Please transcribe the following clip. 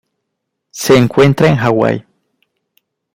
Se encuentra en Hawai.